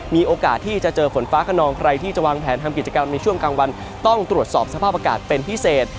มีโอกาสที่จะเจอฝนฟ้าขนองใครที่จะวางแผนทำกิจกรรมในช่วงกลางวันต้องตรวจสอบสภาพอากาศเป็นพิเศษ